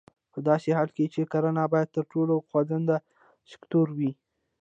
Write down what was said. په داسې حال کې چې کرنه باید تر ټولو خوځنده سکتور وای.